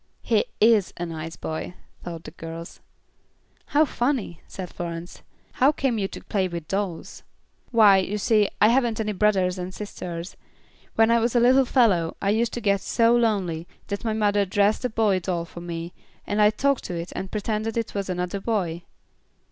"He is a nice boy," thought the girls. "How funny," said Florence. "How came you to play with dolls?" "Why, you see, I haven't any brothers and sisters. When I was a little fellow I used to get so lonely, that my mother dressed a boy doll for me, and I talked to it and pretended it was another boy."